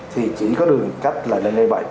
thì chỉ có đường cách là lên a bảy